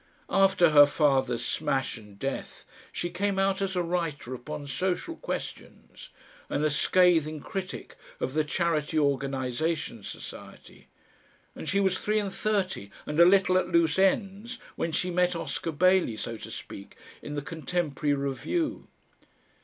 After her father's smash and death she came out as a writer upon social questions and a scathing critic of the Charity Organisation Society, and she was three and thirty and a little at loose ends when she met Oscar Bailey, so to speak, in the CONTEMPORARY REVIEW.